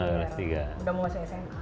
udah mau masuk smp